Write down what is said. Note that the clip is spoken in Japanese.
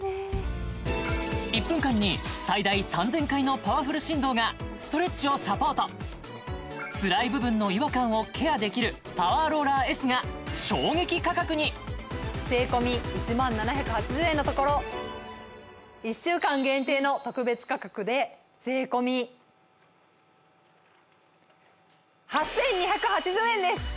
１分間に最大３０００回のパワフル振動がストレッチをサポートつらい部分の違和感をケアできるパワーローラーＳが衝撃価格に税込１万７８０円のところ１週間限定の特別価格で税込８２８０円です！